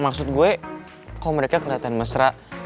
maksud gue kok merdeka keliatan mesra